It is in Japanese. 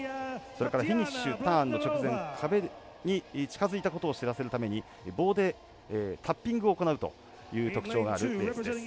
それからフィニッシュ、ターンの直前に壁に近づいたことを知らせるために棒でタッピングを行うという特徴があるレースです。